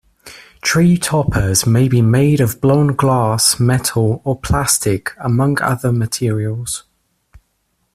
Tree-toppers may be made of blown glass, metal, or plastic, among other materials.